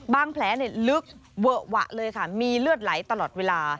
แผลลึกเวอะหวะเลยค่ะมีเลือดไหลตลอดเวลา